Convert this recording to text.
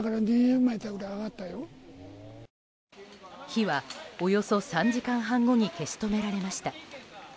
火は、およそ３時間半後に消し止められました。